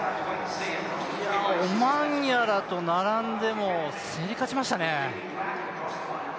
オマンヤラと並んでも競り勝ちましたね。